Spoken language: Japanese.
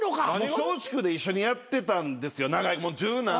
松竹で一緒にやってたんですもう十何年。